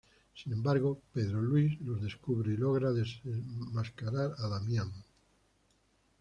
Sin embargo, Pedro Luis los descubre y logra desenmascarar a Damián.